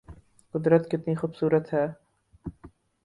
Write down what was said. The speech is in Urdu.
قدرت کتنی خوب صورت ہے